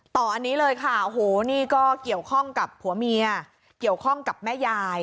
ต่ออันนี้เลยค่ะโอ้โหนี่ก็เกี่ยวข้องกับผัวเมียเกี่ยวข้องกับแม่ยาย